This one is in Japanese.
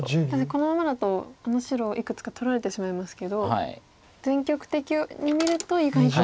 このままだとあの白いくつか取られてしまいますけど全局的に見ると意外と。